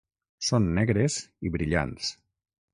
Són negres i brillants.